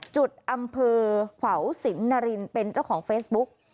จุดอำเภอขวาวสินนารินเป็นเจ้าของเฟซบุ๊ก